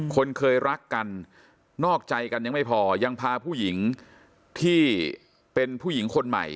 คนเคยรักกันนอกใจกันยังไม่พอยังพาผู้หญิงที่เป็นผู้หญิงคนใหม่